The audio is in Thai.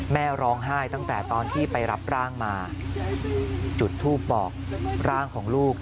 แม่ร้องไห้ตั้งแต่ตอนที่ไปรับร่างมาจุดทูปบอกร่างของลูก